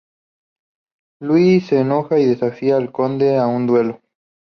Luis se enoja y desafía al conde a un duelo.